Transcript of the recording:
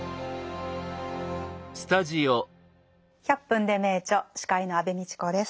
「１００分ｄｅ名著」司会の安部みちこです。